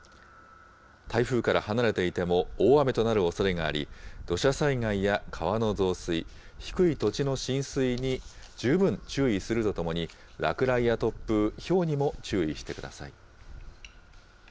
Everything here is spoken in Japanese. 台風から離れていても大雨となるおそれがあり、土砂災害や川の増水、低い土地の浸水に十分注意するとともに、落雷や突風、ひょうにも注意してください。